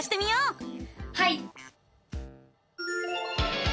はい！